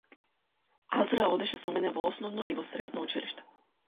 Азра одеше со мене во основно и во средно училиште.